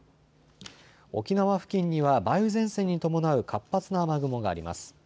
沖縄付近には梅雨前線に伴う活発な雨雲があります。